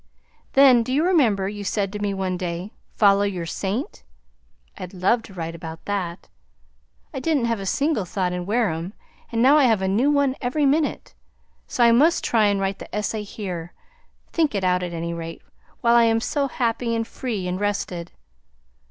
Then do you remember you said to me one day, 'Follow your Saint'? I'd love to write about that. I didn't have a single thought in Wareham, and now I have a new one every minute, so I must try and write the essay here; think it out, at any rate, while I am so happy and free and rested.